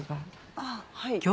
ああはい。